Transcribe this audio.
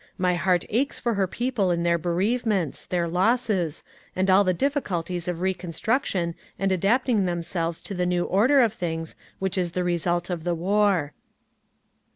My heart aches for her people in their bereavements, their losses, and all the difficulties of reconstruction and adapting themselves to the new order of things which is the result of the war."